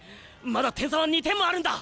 まだ点差は２点もあるんだ！